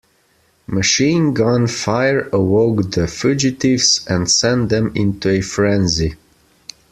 Machine gun fire awoke the fugitives and sent them into a frenzy.